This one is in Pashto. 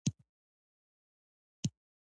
شاعر وایی که د مغل وي یا د بل مزدور مه شه